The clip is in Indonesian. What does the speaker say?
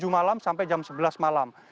tujuh malam sampai jam sebelas malam